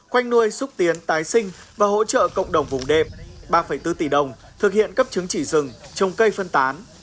khoanh nuôi xúc tiến tái sinh và hỗ trợ cộng đồng vùng đệm ba bốn tỷ đồng thực hiện cấp chứng chỉ rừng trồng cây phân tán